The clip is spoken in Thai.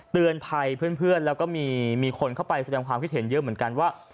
เตือนภัยเพื่อนแล้วก็มีคนเข้าไปแสดงความคิดเห็นเยอะเหมือนกันว่า